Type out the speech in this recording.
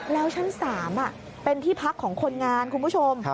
แล้วชั้น๓เป็นที่พักของคนงานคุณผู้ชม